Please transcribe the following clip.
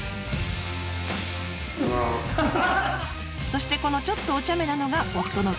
そしてこのちょっとおちゃめなのが夫の